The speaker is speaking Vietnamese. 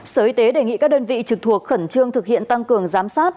sở y tế đề nghị các đơn vị trực thuộc khẩn trương thực hiện tăng cường giám sát